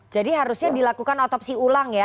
jadi harusnya dilakukan otopsi ulang ya